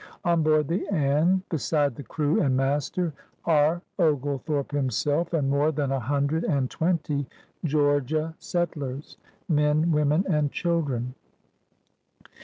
On board the AnnCy beside the crew and master, are 9M PIONEERS OP THE OLD SOUTH (^lethorpe himself and more than a hundred and twenty Georgia settlers, men, women, and children.